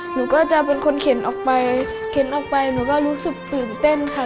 หนูก็จะเป็นคนเข็นออกไปหนูก็รู้สึกตื่นเต้นค่ะ